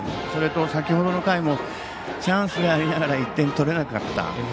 それと先ほどの回もチャンスでありながら１点取れなかった。